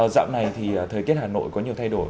dạo này thì thời tiết hà nội có nhiều thay đổi